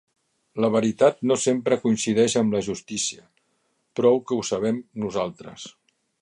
La veritat no sempre coincideix amb la justícia; prou que ho sabem, nosaltres.